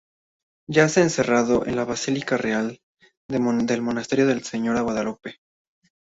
Yace enterrado en la basílica del Real Monasterio de Nuestra Señora de Guadalupe.